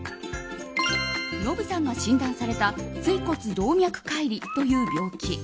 ノブさんが診断された椎骨動脈解離という病気。